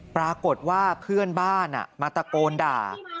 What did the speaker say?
ปรากฏว่าเพื่อนบ้านมาตะโกนด่า